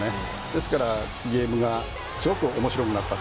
ですからゲームがすごく面白くなった。